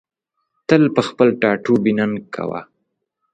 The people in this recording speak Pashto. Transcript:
تل په خپل ټاټوبي ننګه کوم